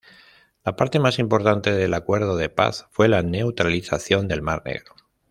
La parte más importante del acuerdo de paz fue la neutralización del mar Negro.